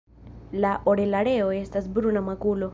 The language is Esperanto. La orelareo estas bruna makulo.